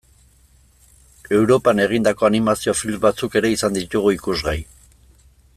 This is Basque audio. Europan egindako animazio film batzuk ere izan ditugu ikusgai.